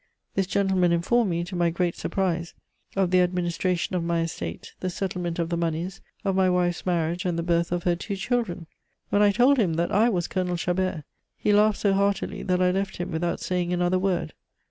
This gentleman informed me, to my great surprise, of the administration of my estate, the settlement of the moneys, of my wife's marriage, and the birth of her two children. When I told him that I was Colonel Chabert, he laughed so heartily that I left him without saying another word.